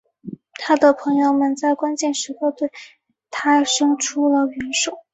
他的朋友们在关键时刻对他生出了援手。